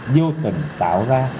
vô tình tạo ra